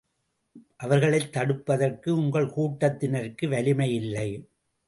அவர்களைத் தடுப்பதற்கு உங்கள் கூட்டத்தினருக்கு வலிமையில்லை.